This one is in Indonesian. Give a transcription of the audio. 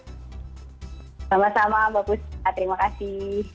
sama sama mbak puspa terima kasih